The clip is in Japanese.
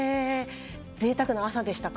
ぜいたくな朝でしたか。